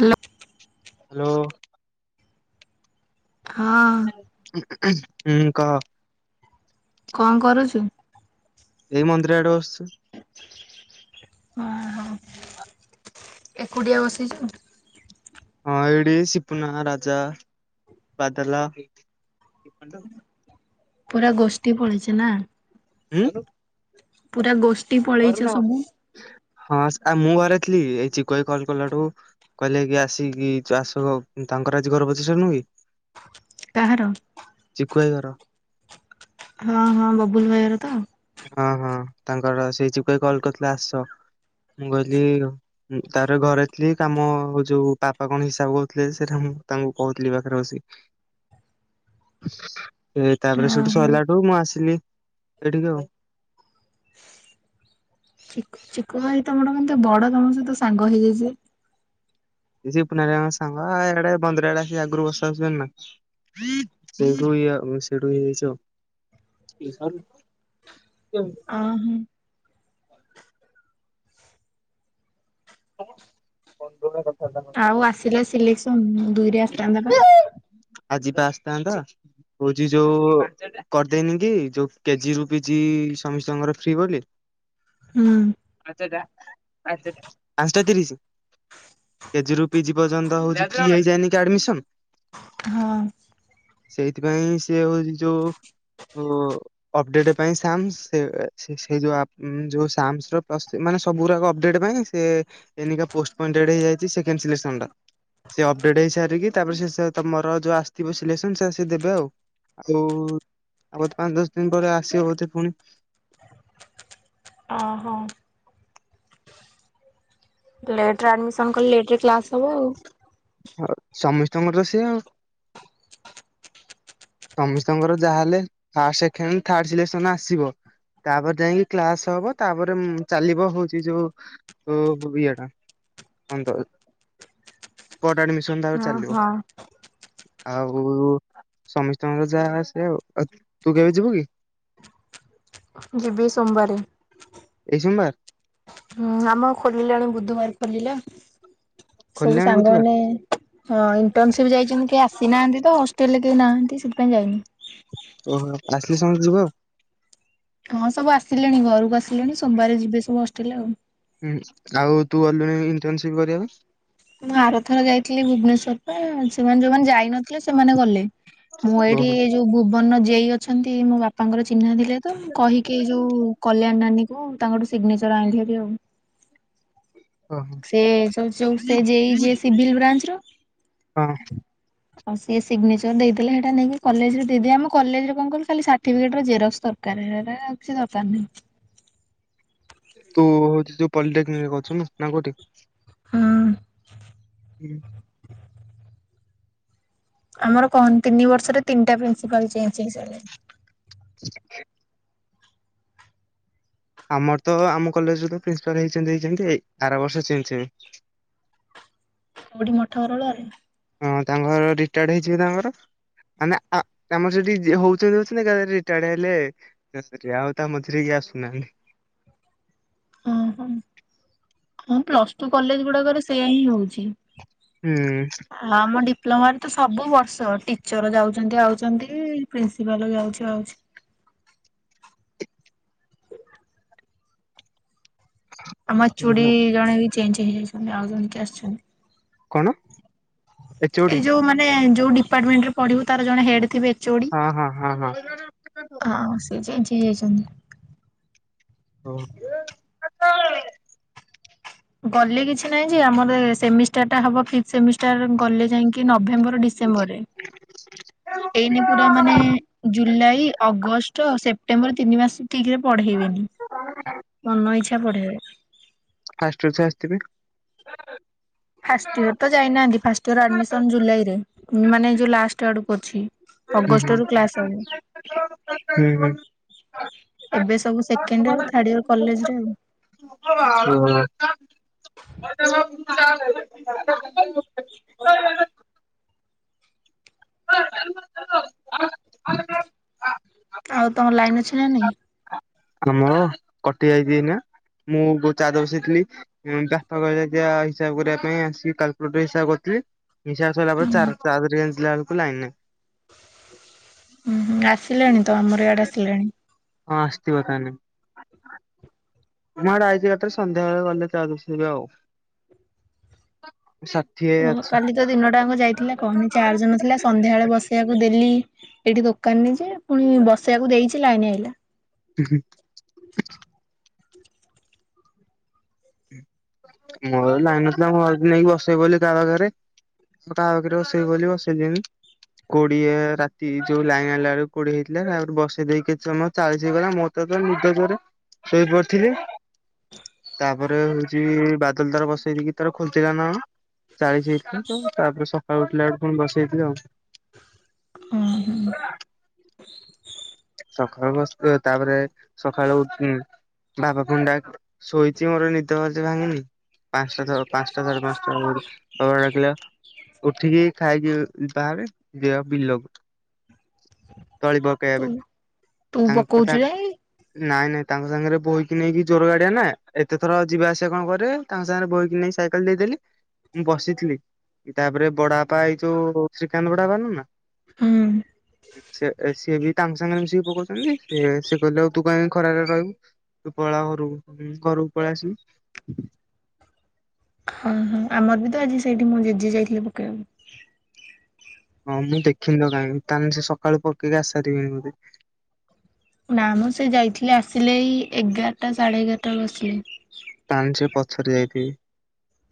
Hello. Hello. ହଁ [unintelligible] ହୁଁ କହ। କଣ କରୁଚୁ? ଏଇ ମନ୍ଦିର ଆଡେ ବସିଚି। [unintelligible] ଏକୁଟିଆ ବସିଚୁ? ହଁ ଏଇଠି ସିପୁନା, ରାଜା, ବାଦଲା ପୁରା ଗୋଷ୍ଠୀ ପଳେଇଚ ନା। ଉଁ। ପୁରା ଗୋଷ୍ଠୀ ପଳେଇଚ ସବୁ। ହଁ ସେ ଆ ମୁଁ ଘରେ ଥିଲି ଏଇ ଚିକୁ ଭାଇ କଲ୍ କଲାଠୁ କହିଲେ କି ଆସିକି ଚାସ ତାଙ୍କର ଆଜି ଘର ପଚିଷ୍ଟା ନୁହୁଁ କି। କାହାର? ଚିକୁଭାଇ ଘର। ହଁ ହଁ ବବୁଲ୍ ଭାଇ ଘର ତ? ହଁ ହଁ ତାଙ୍କର ସେଇ ଚିକୁ ଭାଇ କଲ କରିଥିଲା ଆସ। ମୁଁ ଗଲି ଆଉ। ହୁଁ ତାପରେ ଘରେ ଥିଲି କାମ ଯୋଉ ବାପା କଣ ହିସାବ କରୁଥିଲେ ଯେ ସେଟା ମୁଃ ତାଙ୍କୁ କୋହୁଥିଲି ପାଖରେ ବସିକି। [inaudible] ରେ ତାପରେ ସେଇଠୁ ଓହୋ। ସ‌ରିଲାଠୁ ମୁଁ ଆସିଲି ଏଇଠିକି ଆଉ। ଚିକୁ ଚିକୁ ଭାଇ ତମଠୁ ମାନେ ତ ବଡ ତମ ସହିତ ସାଙ୍ଗ ହେଇଯାଇଚି। ଏ ସେଇ ପୁନାଦାଙ୍କ ସାଙ୍ଗ ଏଆଡେ ବନ୍ଦୁଟାଡେ ଆସିକି ଆଗୁରୁ ବସାବସି କରୁନା। ସେଇଠୁ ଇଏ ସେଇଠୁ ଇଏ ହେଇଯାଇଚି ଆଉ। [unintelligible] ଅଁ ହଁ। [unintelligible] ବନ୍ଧରେ କଥାବାର୍ତ୍ତା [unintelligible] ଆଉ ଆସିଲା ସିଲେକ୍ସନ ଦୁଇରେ ଆସିଥାନ୍ତା ପା। ଆଜି ପା ଆସିଥାନ୍ତା ହୋଉଚି ଯୋଉ କରିଦେଇନି କି ଯଉ କେଜି ରୁ କେଜି ସମସ୍ତଙ୍କର ଫ୍ରି ବୋଲି। ହୁଁ। ଆଛା ଜା ପାଞ୍ଚ ପାଞ୍ଚଟା ତିରିସି। କେଜି ରୁ ପିଜି ପର୍ଯ୍ୟନ୍ତ ହଉଛିଫ୍ରି ହେଇଯାଇନି କି ଆଡମିସନ। ହଁ ସେଇଥିପାଇଁ ସେ ହଉଛି ଯଉ ଉ ଅପଡେଟ ପାଇଁସାମ୍ସ ସେ ସେ ଯଉ ଆପ ଜଉ ଶାମ୍ସର ପ୍ଲସ ମାନେ ସବୁ ଗୁଡାକ ଅପଡେଟ୍ ପାଇଁ ସେ ଏଇନିକା ପୋଷ୍ଟ ପେଣ୍ଟଏଡ଼ ସେକେଣ୍ଡ ସିଲେକ୍ସନ୍ଟା ସେ ଅପ ଅପଡେଡ଼ ହେଇସାରିକି ତାପରେ ସେ ତମର ଯୋଉ ଆସିଥିବ ସିଲେକ୍ସନ ସେରା ସେ ଦେବେ ଆଉ। ଆଉ ଆଉବୋଧେ ପାଞ୍ଚ ଦଶ ଦିନ ପରେ ଆସିବ ବୋଧେ ପୁଣି। ଅ ହଁ। ଲେଟରେ ଆଡମିସନ କଲେ ଲେଟରେ କ୍ଲାସ ହବ ଆଉ। ହଉ ସମସ୍ତଙ୍କର ତ ସେଇଆ ଆଉ। ସମସ୍ତଙ୍କର ଯାହାହେଲେ ଫାଷ୍ଟ ସେଖେଣ୍ଡ ଥାର୍ଡ ସିଲେକ୍ସନ ଆସିବ। ତାପରେ ଯାଇଁକି କ୍ଳାସ ହବ ତାପରେ ଚାଲିବ ହଉଛି ଯୋଉ ତୋ ଇଏଟା କଣତ ସ୍ପଟ ଆଡ଼ମିଶନ ତାପ ହଁ ଚାଲିବ ହଁ। ଆଉ ଉ ସମୀସ୍ତଙ୍କର ଯାହା ଆସେ ଆଉ ତୁ କେବେ ଯିବୁ କି? ଯିବ ସୋମବାରେ। ଏଇ ସୋମବାର ହୁଁ ଆମର ଖୋଲିଲାଣି ବୁଧବାରେ ଖୋଲିଲା। ସବୁ ଖୋଲିଲାଣି ବୁଧବାର ସାଙ୍ଗମାନେ ଇଣ୍ଟନସିପ ଯାଇଛନ୍ତି କେହି ଆସିନାହାନ୍ତି ତ। ହଷ୍ଟେଲ ରେ କେହି ନାଁହାନ୍ତି ସେଥିପାଇଁ ପାଇଁ ଯାଇନି। ଓହୋ ଆସିଲେ ସମତେ ଯିବ ଆଉ। ହଁ ସବୁ ଆସିଲେଣି ଘରକୁ ଆସିଲେଣି ସୋମବାରେ ଯିବେ ସବୁ ହଷ୍ଟେଲେ ଆଉ। ହୁଁ ଆଉ ତୁ ଗଲୁନି ଇଣ୍ଟର୍ନସିପ କରିବାପାଇଁ? ମୁଁ ଆର ଥର ଯାଇଥିଲି ଭୁବନେଶ୍ୱରପା ସେମାନେ ଯୋଉମାନେ ଯାଇନଥିଲେ ସେମାନେ ଗଲେ। ମୁଁ ଏଇଠି ଓହୋ ଯୋଉ ଭୁବନର ଯେଇ ଅଛନ୍ତି ମୋ ବାପାଙ୍କର ଚିହ୍ନା ଥିଲେ ତ କହିକି ଏଇ ଯୋଉ କଲ୍ୟାଣି ନାନୀ କୁ ତାଙ୍କଠୁ ସିଗ୍ନେଚର ଆଇଁଲିଭାରି ଆଉ। ଓହୋ [inaudible] ସିବିଲ୍ ବ୍ରାଞ୍ଚର। ହଁ। ଆଉ ସେ ସିଗ୍ନେଚର ଦେଇଦଲେ ହେଟା ନେଇକି କଲେଜରେ ଦେଇଦେଇ ଆମ କଲେଜ ରେ କଣ କହିଲୁ ଖାଲି ସାର୍ଟିଫିକେଟ ର ଜେରକ୍ସ୍ର ଦର୍ କାର ହେଟା ଆଉ କିଛି ଦରକାର ନାହିଁ। ତୁ ହଉଛି ଯୋଉ ପଲିଟେକନିକ୍ ରେ କରୁଛୁନା ନା କୋଉଠେ? ହୁଁ। [inaudible] ଆମର କହନି ତିନି ବର୍ଷରେ ତିନିଟା ପ୍ରିନ୍ସିପାଲ ଚେଞ୍ଜ ହେଇସାରିଲେଣି। [inaudible] ଆମର ତ ଆମ କଲେଜର ପ୍ରିନ୍ସିପାଲ ହେଇଚନ୍ତି ହେଇଛନ୍ତି ଆର ବର୍ଷ ଚେଞ୍ଜ ହେବେ। କଉଠି ମଠକରଗୋଳାରେ? ହଁ ତାଙ୍କ ଘର ରିଟାୟାର୍ଡ ହେଇଯିବେ ତାଙ୍କର। ମାନେ ଆ ଆମର ସେଠି ଯିଏ ହଉଛନ୍ତି ହଉଛନ୍ତି ଏକାଏଳେ ରିଟାର୍ଡ ହେଲେ [unintelligible] ଆଉ ତା ମଝିରେ କିଏ ଆସୁନାହାଁନ୍ତି। ହଁ ହଁ ପ୍ଲସ ଟୁ କଲେଜ ଗୁଡାକରେ ସେଇୟା ହିଁ ହଉଛି। ହୁଁ। ଆମ ଡିପ୍ଲମାରେ ତ ସବୁ ବର୍ଷ ଟିଚର ଯାଉଛନ୍ତି ଆଉଛନ୍ତି, ପ୍ରିନ୍ସିପାଲ ଯାଉଛି ଆଉଛି। ଆମ ଏଚୁଡ଼ି ହୁଁ ଜଣେ ବି ଚେଞ୍ଜ ହେଇଯାଇଛନ୍ତି ଆଉ ଜଣ କିିଏ ଆସିଛନ୍ତି। କଣ? ଏଚ ଓ ଏଇ ଡି ଯୋଉ ମାନେ ଯୋଉ ଡିପାର୍ଟମେଣ୍ଟ ରେ ପଢ଼ିବୁ ତାର ଜଣେ ହେଡ ଥିବେ। ଏଚୋଡି ହଁ ହଁ ହଁ ହଁ। ହଁ ସେ ଚେଞ୍ଚ ହେଇ ଯାଇଛନ୍ତି। ଓହୋଃ। ଗଲେ କିଛି ନାଇଁ ଯେ, ଆମର ସେମିଷ୍ଟାର ଟା ହବ ଫିଫ୍ଥ୍ ସେମିଷ୍ଟାର ଗଲେ ଯାଇକି ନଭେମ୍ବର ଡିସେମ୍ବର ରେ। ଏଇନେ ପୁରା ମାନେ ଜୁଲାଇ, ଅଗଷ୍ଟ, ସେପ୍ଟେମ୍ବର ତିନି ମାସ। ଠିକ ରେ ପଢେଇବେନି। ମନ ଇଚ୍ଛା ପଢେଇବେ। ଫାଷ୍ଟ ଇୟର ଛୁଆ ଆସିଥିବେ? ଫାଷ୍ଟ ଇୟର ତ ଯାଇନାହାନ୍ତି। ଫାଷ୍ଟ ଇୟର ଆଡ୍ମିସନ୍ ଜୁଲାଇରେ। ମାନେ ଯୋଉ ଲାଷ୍ଟ ଆଡକୁ ଅଛି। ହୁଁ ହୁଁ। ଅଗଷ୍ଟ ରୁ କ୍ଲାସ ହବ। ହୁଁ ହୁଁ। ଏବେ ସବୁ second year, third year college ରେ ଆଉ। ଓହୋଃ। ଆଉ ତମର ଲାଇନ ଅଛି ନା ନାଇଁ? ଆମର? କଟି ଯାଇଛି ଏଇନା। ମୁଁ ଗୋ ଚାର୍ଜ ବସେଇଥିଲି। ଉଁ ବାପା କହିଲେ ଯା ହିସାବ କରିଆ ପାଇଁ ଆସିକି କାଲ୍କୁଲେଟର ରେ ହିସାବ କରୁଥିଲି। ହିସାବ ସଇଲା ପରେ ଚାର ଚାର୍ଜ ରେ ଗେଞ୍ଜିଲା ବେଳକୁ ଲାଇନ ନାଇଁ। ହୁଁ ହୁଁ, ଆସିଲେଣି ତ ଆମର ଆଡ଼େ ଆସିଲାଣି। ହଁ, ଅସିଥିବ ତାନେ। ମୁଁ ଆଡେ ଆଇଚି ଏକାଥରେ ସନ୍ଧ୍ୟାବେଳେ ଗଲେ ଚାର୍ଜ ବସେଇବି ଆଉ। ଷା ଠିଏ ଉଁ ଅଛି। କାଲି ତ ଦିନଟାଙ୍କ ଯାଇଥିଲା କହନି ଚାର୍ଜ ନଥିଲା। ସନ୍ଧ୍ୟାବେଳେ ବସେଇଆକୁ ଦେଲି ଏଇଠି ଦୋକାନରେ ଯେ ପୁଣି ବସେଇଆକୁ ଦେଇଛି ଲାଇନ ଆଇଲା। ହୁଁ ହୁଁ। ମୋର ଲାଇନ ନଥିଲା ମୁଁ ଭାବୁଥିଲି ନେଇକି ବସେଇବି ବୋଲି କାହା ପାଖରେ କାହା ପାଖରେ ବସେଇବି ବୋଲି ବସେଇଲିନି। କୋଡିଏ ରାତି, ଯୋଉ ଲାଇନ ଆଲା ବେଳକୁ କୋଡିଏ ହେଇଥିଲା। ତାପରେ ବସେଇ ଦେଇକି କିଛି ସମୟ ଚାଳିଶି ହେଇଗଲା। ମୋ ତେ ତ ନିଦ ଜୋରେ, ଶୋଇପଡ଼ି ଥିଲି। ତାପରେ ହଉଛି ବାଦଲ ତାର ବସେଇ ଦେଇକି ତାର ଖୋଲିଥିଲା ନା କଣ। ଚାଳିଶ ହେଇଥିଲା ତ। ତାପରେ ସକାଳୁ ଉଠିଲା ବେଳକୁ ପୁଣି ବସେଇଥିଲି ଆଉ। ଓହୋଃ। ସକାଳୁ ବସି ପଡିବ। ତାପରେ ସକାଳୁ ଉଠି ବାବା ପୁଣି ଶୋଇଛି ମୋର ନିଦ ଭଲସେ ଭାଙ୍ଗିନି। ପାଞ୍ଚଟା-ପାଞ୍ଚଟା, ସାଢେ ପାଞ୍ଚଟା ବେଳକୁ ବାବା ଡାକିଲେ ଉଠିକି, ଖାଇକି ବାହାରେ ଯିବା ବିଲକୁ ତଳି ତୁ ପକେଇବା ପାଇଁ। ତୁ ତାଙ୍କ ପକଉଛୁ କଥା ଯାଇ ନାଇଁ ନାଇଁ ତାଙ୍କ ସାଙ୍ଗରେ ବୋହିକି ନେଇକି ଜୋର ଗାଡିଆ ନା ଏତେଥର ଯିବା ଆସିବା କଣ କରିବେ। ତାଙ୍କ ସାଙ୍ଗରେ ବୋହିକି ନେଇକି ସାଇକେଲ ଦେଇଦେଲି। ମୁଁ ବସିଥିଲି। ତାପରେ ବଡବାପା ଏଇ ଯୋଉ ଶ୍ରୀକାନ୍ତ ବଡବାପା ନୁହେଁ ନା। ହୁଁ ସିଏ ସିଏ ବି ତାଙ୍କ ସାଙ୍ଗରେ ମିଶିକି ପକଉଛନ୍ତି, ସେ ସେ କହିଲେ ଆଉ ତୁ କାହିଁକି ଖରାରେ ରହିବୁ ତୁ ପଳା ଘରୁକୁ ଘରୁକୁ ପଳେଇ ଆସିଲି। ହଁ ହଁ ଆମର ବି ତ ଆଜି ସେଇଠି ମୋ ଜେଜେ ଯାଇଥିଲେ ପକେଇବାକୁ। ହଁ ମୁଁ ଦେଖିନି ଲୋ କାହିଁକି ତାହେନେ ସେ ସକାଳୁ ପକେଇକି ଆସି ସାରିବେଣି ବୋଧେ। ନା ମ ସେ ଯାଇଥିଲେ ଆସିଲେ ଏଇ ଏଗାରଟା ସାଢେ ଏଗାରଟା ବେଳୁ ଆସିଲେ। ତାହେନେ ସେ ପଛରେ ଯାଇଥିବେ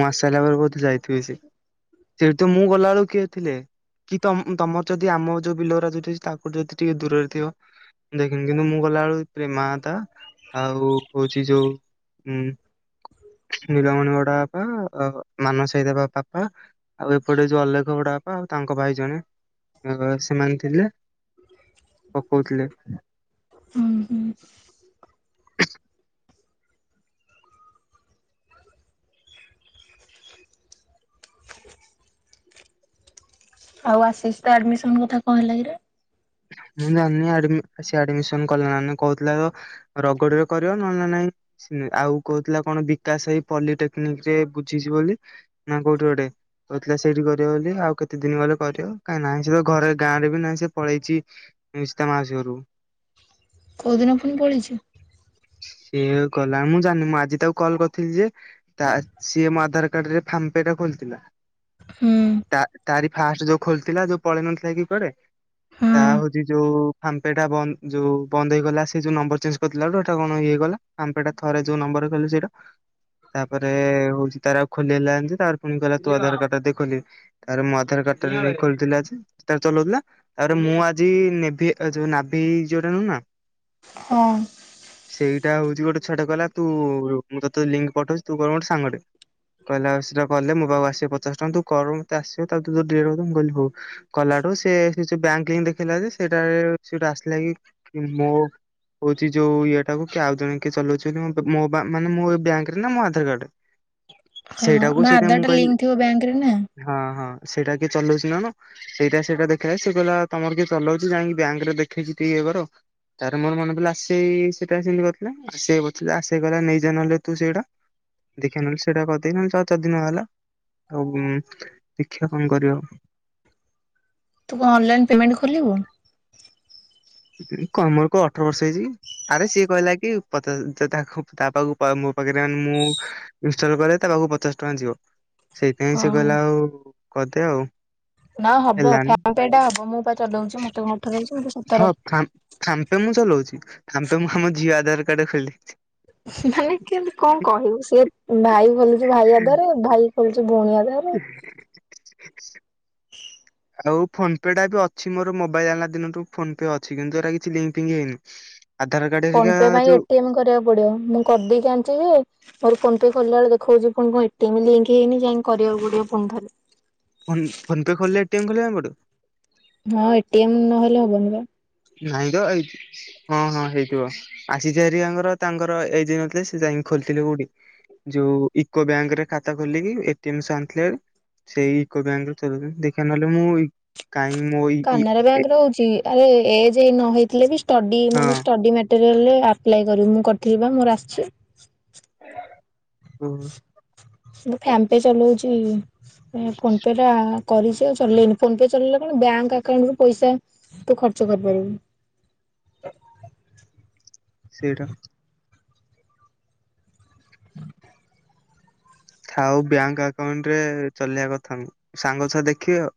ମୁଁ ଆସିସାଇଲା ପରେ ବୋଧେ ଯାଇଥିବେ ସେ। ସେଠି ତୁ ମୁଁ ଗଲାବେଳକୁ କିଏ ଥିଲେ? କି ତ ତମର ଯଦି ଆମ ଯୋଉ ବିଲ ଉରାଯୋଉଠି ଅଛି ତାକୁ ଯଦି ଟିକେ ଦୂରରେ ଥିବ। ଦେଖିନି କିନ୍ତୁ ମୁଁ ଗଲାବେଳକୁ ପ୍ରେମାଦା ଆଉ ହଉଛି ଯୋଉ ଉଁ ନୀଳମଣି ବଡବାପା ମାନସ ଭାଈ ତା ପାପା। ଆଉ ଏପଟେ ଯୋଉ ଅଲେଖ ବଡ ବାପା ଆଉ ତାଙ୍କ ଭାଇ ଜଣେ ସେମାନେ ଥିଲେ। ପକୋଉଥିଲେ। ହୁଁ ହୁଁ ଆଉ ଆସିସ୍ ତା ଆଡମିସନ କଥା କଣ ହେଲା କିରେ? ମୁଁ ଜାଣିନି ଆଡମି ସେ ଆଡମିସନ କଲା ନା ନାଇଁ କହୁଥିଲା ତ ରଗଡିରେ କରିବ ନହେନେ ନାହିଁ। ଆଉ କହୁଥିଲା କଣ ବିକାଶ ଭାଇ ପନି ଟେକ୍ନିକିରେ ବୁଝିଛି ବୋଲି ନା କୋଉଠି ଗୋଟେ। କହୁଥିଲା ସେଇଠି କରିବ ବୋଲି ଆଉ କେତେ ଦିନ ଗଲେ କରିବ କାହିଁ ନାହିଁ ସେ ଘରେ ଗାଁରେ ବି ନାହିଁ ସେ ପଳେଇଛି। ମିସ୍ତା ମାଉସୀ ଘରକୁ। କୋଉଦିନ ପୁଣି ପଳେଇଚି? ସିଏ କହିଲା ମୁଁ ଜାନି ମୁଁ ଆଜି ତାକୁ କଲ କରିଥିଲି ଯେ ତା ସିଏ ମୋ ଆଧାର କାର୍ଡରେ ଫାମ୍ ପେ ଟା ଖୋଲିଥିଲା। ହୁଁ। ତା ତାରି ଫାଷ୍ଟ ଯୋଉ ଖୋଲିଥିଲା ଯୋଉ ପଳେଇ ନଥିଲା କି କୁଆଡେ? ହୁଁ ତା ହଉଛି ଯୋଉ ଫାମ୍ ପେ ଟା ବ ଯୋଉ ବନ୍ଦ ହେଇଗଲା ସେ ଯୋଉ ନମ୍ବର ଚେଞ୍ଜ କରିଥିଲା ତ। ତ କଣ ହେଇଗଲା ଫାମ୍ ପେ ଟା ଥରେ ଯୋଉ ନମ୍ବରେ ଖୋଲିବ ସେଇଟା। ତାପରେ ହଉଛି ତାର ଆଉ ଖୋଲି ହେଲାନି ଯେ ତାପରେ ପୁଣି କହିଲା ତୁ ଆଧାର କାର୍ଡ ଟା ଦେଇ ଖୋଲିବୁ। ତାର ମୁଁ ଆଧାର କାର୍ଡ ଟା ନେଇ ଖୋଲିଥିଲି ଆଜି ସେ ତାର ଚଲଉଥିଲା। ତାପରେ ମୁଁ ଆଜି ନେଭି ଯୋଉ ନାଭି ଝିଅଟା ନୁହଁ ନା। ଫୋନ୍। ସେଇଟା ହଉଛି ଗୋଟେ ଛୁଆଟେ କହିଲା ତୁ ମୁଁ ତୋତେ ଲିଙ୍କ ପଠଉଛି ତୁ କହିବୁ ସାଙ୍ଗଟେ। କହିଲା ସେଟା କଲେ ମୋ ପାଖକୁ ଆସିବ ପଚାଶ ଟଙ୍କା ତୁ କର ମତେ ଆସିବ ତାପରେ ତୁ ତୋର ଡିଲିଟ କରିଦେବୁ। ମୁଁ କହିଲି ହଉ। କଲାଠୁ ସେ ସେ ଯୋଉ ବ୍ୟାଙ୍କ ଲିଙ୍କ ଦେଖେଇଲା ଯେ ସେଇଟା ସେଠୁ ଆସିଲା କି ମୋ ସେ ଯୋଉ ଇଏ ଟାକୁ କିଏ ଆଉ ଜଣେ କିଏ ଚଲଉଛି ବୋଲି ମୋ ମାନେ ମୋ ବ୍ୟାଙ୍କରେ ନା ମୋ ଆଧାର କାର୍ଡରେ। ହଁ ମୋ ଆଧାର ଟା ଲିଙ୍କ ଥିବ ବ୍ୟାଙ୍କରେ ନା। ହଁ ହଁ ସେଇଟା କିଏ ଚଲଉଛି ନା କଣ? ସେଇଟା ସେଇଟା ଦେଖାଏ ସେ କହିଲା ତମର କିଏ ଚଲଉଛି ଯାଇ ବ୍ୟାଙ୍କରେ ଦେଖେଇକି ଟିକେ ଇଏ କର। ତାର ମୋର ମନେପାଇଲା ଆସ [unintelligible] କରିଥିଲେ ନେଇଯା ନହଲେ ତୁ ସେଇଟା। ଦେଖିଆ ନେହେଲେ ସେଟା କରିଦେଇଥାନ୍ତ ଚ ଯଦିନ ହେଲା। ଆଉ ଦେଖିଆକଣ କରିବ। ତୁ କଣ ଅନ୍ ଲାଇନ୍ ପେମେଣ୍ଟ ଖୋଲିଵୁ। କମଳ କୁ ଅଠର ବର୍ଷ ହେଇଛି କି। ଆରେ ସିଏ କହିଲାକି ତାକୁ ତାପାଖକୁ ତା ମୋ ପାଖରେ ମୁଁ ଇନଷ୍ଟ୍ରାଲ କଲେ ତା ପାଖକୁ ପଚାଶ ଟଙ୍କା ଯିବ ସେଇଥିପାଇଁ ସେ ଓହୋ କହିଲା ଆଉ କରିଦେ ଆଉ। ନା ହବ ହେଲାନି ଫୋନ୍ ଟେ ଟା ହବ, ମୁଁ ପା ଚଲଉଛି ମତେ କଣ ଅଠର ଦେଇଛି ମୋତେ ସତର। ଖାମ, ପେମୁଁ ଚଲଉଛି ଖାମ୍ପେ ମୁଁ ଆମ ଝିଅ ଆଧାର କାର୍ଡରେ ଖୋଲିଦେଇଛି। ମାନେ କେମତି କଣ କହିବୁ ସିଏ ଭାଇ ଖୋଲୁଛି ଭାଇ ଆଧାରରେ ଭାଇ ଖୋଲୁଛି ଭଉଣୀ ଆଧାରରେ। [unintelligible] ଆଉ ଫୋନ୍ ପେ ଟା ବି ଅଛି, ମୋର ମୋବାଇଲ ଆଣିଲା ଦିନଠୂ ଫୋନ୍ ପେ ଅଛି କିନ୍ତୁ ଏଟା କିଛି ଲିଙ୍କ ଫିଙ୍କ୍ ହେଇନି। ଆଧାର କାର୍ଡ ଫୋନ ହରିକା ପେ ପାଇଁ ଯୋଉ ଏଟିଏମ କରିବାକୁ ପଡିବ, ମୁଁ କରିଦେଇ ଚାଣିଛି ଯେ ମୋର ଫୋନ୍ ପେ ଖୋଲି ଲା ବେଳେ ଦେଖାଉଛି ପୁ ଣି କଣ ଏଟିଏମ୍ ଲିଙ୍କ ହେଇନି ଯାଇକି କରିବାକୁ ପଡ଼ିବ ପୁଣି ଥରେ। ଫୋନ୍ ଫୋନ ପେ ଖୋଲିଲେ ଏଟିଏମ୍ ଖୋୋଲିଵାକୁ ପଡିଵ। ହଁ ଏଟି ଏମ୍ ନହେଲେ ହବନି ବା। ନାଇଁ ତ ଏଇ ହଁ, ହଁ ହେଇଥିବ ଆସିସ ହରିଆାଙ୍କର ତାଙ୍କର ଏ ଯ ହୋଇ ନ ନଥିଲାସେ ଯାଇକି ଖୋଲିଥିଲେ କଉଠି। ଯୋଉ ଇକୋ ବ୍ୟାଙ୍କରେ ଖାତା ଖୋଲିକି ଏଟିଏମ୍ ସହ ଆଣିଥିଲେ ଭାରି। ସେଇ ଇକୋ ବ୍ୟାଙ୍କ ରେ ତୁଲାଉଛନ୍ତି ଦେଖିବା ନହେଲେ ମୁଁ କାଇଁ ମୋଇପ୍ କାନାରା ବ୍ୟାଙ୍କ ରେ ହଉଛି ଆରେ ଏ ଯ ନ ହେଇଥିଲେ ବି ଷ୍ଟଡି ହଁ ମାନେ ଷ୍ଟଡି ମା ସିରିଏଲରେ ଆପ୍ଲାଏ କରିବୁ ମୁଁ କରିଥିଲି ବା ମୋର ଆସିଛି। ହୁ। ମୁ ଫାନ୍ ପେ ଚଲାଉଛି ଫୋନ ପେ ଟା କରିଚି ଆଉ ଚଲେଇନି ଫୋନ ପେ ଚଲେଇଲେ କଣ ବ୍ୟାଙ୍କ ଆକାଉଣ୍ଟ ରୁ ପଇସା ତୁ ଖର୍ଚ୍ଚ କରିପାରିବୁ। ସେଇଟା। ଥାଉ ବ୍ୟାଙ୍କ ଆକାଉଣ୍ଟ ରେ ଚଲେଇିବା କଥା ନୁହେଁ ସାଙ୍ଗ ଛୁଆ ଦେଖିବେ ଆଉ।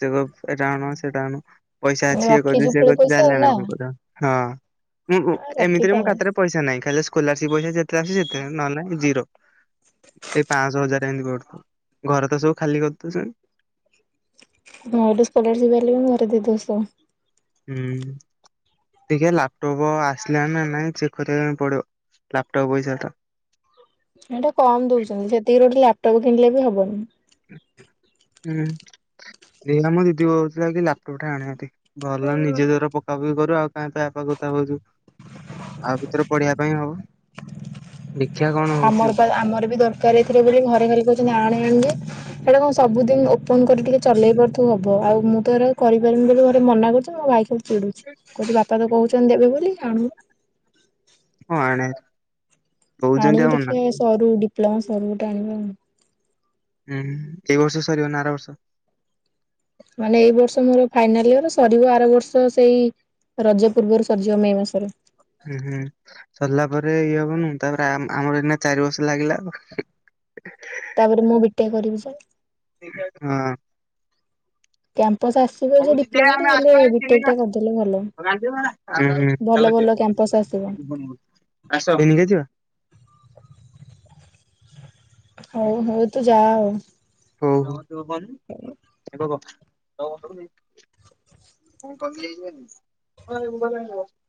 ସେ କହିଵଏଟା ଆଣ ସେଟା ଆଣ ପଇସା ଅଛି ଇଏ କରଦି ରଖିଛୁ ସିଏ ପୁଳେ କରିଵି ପଇସା ଆଉ ଜାହେଲେ ଆଣି ବା ନା ପାଇଁ ପଡିବ। ହଁ ମୁଁ ଏମିତିରେ ରଖିଥା ମୁ ଖାତରେ ପଇସା ନାହିଁ ଖାଲି ସ୍କଲାରସିପ୍ ପଇସା ଯେତେବେଳେ ଆସୁଛି ସେତେଵେଳେ ନ ହେଲେ ଜିରୋ। ଏଇ ପାଞ୍ଚଶହ ହଜାର ଏମିତି ଗଡୁଥିଵ ଘରେ ତ ସବୁ ଖାଲି କରିଦେଉଛନ୍ତି। ମୁଁ ଏଠି ସ୍କଲରସିପ ପାଇଲେ ବି ମୁଁ ଘରେ ଦେଇ ଦେଉଛି ସଵୁ। ଉଁ। ଦେଖିଆ ଲାପଟପ୍ ଆସିଲାଣି ନାଇଁ ଚେକ୍ କରିବା ପାଇଁ ପଡିବ ଲାପଟପ୍ ପଇସା ଟା। ସେଇଟା କମ ଦଉଛନ୍ତି ସେତିକିରେ ଗୋଟେ ଲାପଟପ୍ କିଣିଲେ ବି ହବନି। ହୁଁ ହେଇ ଆମ ଦିଦି କହୁଥିଲା କି ଲାପଟପ୍ ଟା ଆଣିଆ ଭାରି। ଭଲ ନିଜେ ଯୋଭରା ପକା ପକି କରିବ ଆଉ କାହିଁ ଆପାଖକୁ ତା ପାଖକୁ ଯିବୁ। ଆ ଭିତରେ ପଢିବା ପାଇଁ ହଉ। ଦେଖିଆ କଣ? ଆମର ଆମର ବି ଦରକାର ଏଇଥିରେ ବୋଲି ଘରେ ଖାଲି କହୁଛନ୍ତି ଆଣେ ଆଣେ ଯେ ହେଲେ କଣ ସବୁଦିନ ଓପନ କରି ଟିକେ ଚଲେଇ ପାରୁଥିବ ହବ ଆଉ ମୁଁ ତ ଏଇଟା କରିପାରିବି ବୋଲି ଘରେ ମନା କରୁଛି ମୋ ଭାଇ କ ଚିଡୁଛି କୋଉଚି ବାପା ତ କହୁଛନ୍ତି ଦେବେ ବୋଲି ଆଣୁନୁ। ହଁ ଆଣେ ଭାରି। ଆଣିବି ଦେଖିବା ସରୁ ଡିପ୍ଲମା ସରୁ ଗୋଟେ ଆଣିବା ଆ ହୁଁ ଏଇ ବର୍ଷ ସରିବ ନାା ଆର ବର୍ଷ? ମାନେ ଏଇ ବର୍ଷ ମୋର ଫାଇନାଲ ଇୟର ସରିବ ଆର ବର୍ଷ ସେଇ ରଜ ପୂର୍ବରୁ ସରିଜିଵ ମେଂ ମାସରେ। ହୁଁ, ହୁଁ, ସରିଲା ପରେ ଇଏ ହବନୁ ତାପରେ ଆମର ଏଇନା ଚାରି ବର୍ଷ ଲାଗିଲା। ତାପରେ ମୁଁ ବିଟେକ୍ କରିବି ଯେ ହଁ। କ୍ୟାମ୍ପସ ଆସ ଭଲ ଯେ ଡିପ୍ଲୋମା ରେ ହେଲେ ବିଟେକ୍ ଟା କରିଦେଲେ ଭଲ। ଭଲ ଭଲ କ୍ୟାମ୍ପସ ଆସି ଆସ ଏଇଲେ ଯିବା? ହଉ ହଉ ତୁ ଯା ଆଉ। ହଉ [unintelligible] [inaudible]